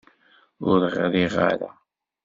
Ur ɣriɣ ara.